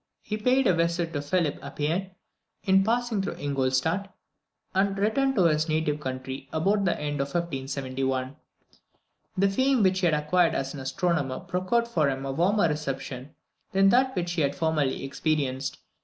He paid a visit to Philip Appian in passing through Ingolstadt, and returned to his native country about the end of 1571. The fame which he had acquired as an astronomer procured for him a warmer reception than that which he had formerly experienced.